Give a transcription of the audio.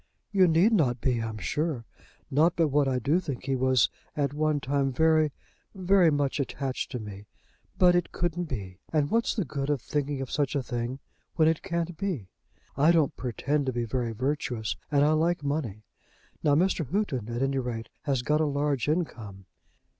"You need not be, I'm sure. Not but what I do think he was at one time very very much attached to me. But it couldn't be. And what's the good of thinking of such a thing when it can't be? I don't pretend to be very virtuous, and I like money. Now Mr. Houghton, at any rate, has got a large income.